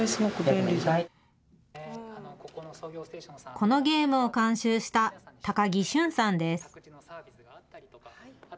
このゲームを監修した高木駿さんです。